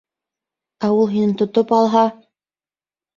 — Ә ул һине тотоп ал-һа?